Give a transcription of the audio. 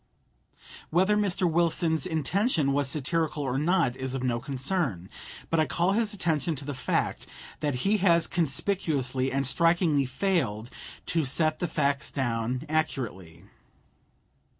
Whether Mr. Wilson's intention was satirical or not is of no concern; but I call his attention to the fact that he has conspicuously and strikingly failed "to set the facts down accurately."